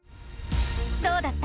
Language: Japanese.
どうだった？